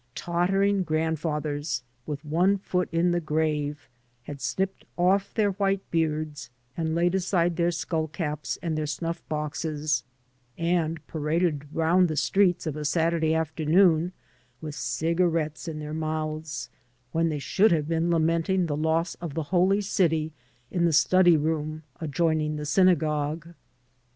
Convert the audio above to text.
Tottering grandfathers, with one foot in the grave, had snipped oflf their white beards and laid aside their skull caps and their snuflf boxes and paraded around the streets of a Saturday afternoon with cigarettes in their mouths, when they should have been lamenting the loss of the Holy City in the study room adjoining the synagogue.